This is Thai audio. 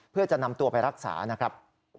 เพื่อจะนำตัวไปรักษานะครับ